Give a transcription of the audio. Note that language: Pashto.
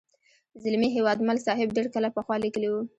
زلمي هیوادمل صاحب ډېر کاله پخوا لیکلې وه.